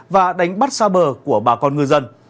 và đánh bắt xa bờ của bà con ngư dân